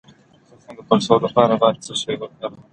د تخه د پړسوب لپاره باید څه شی وکاروم؟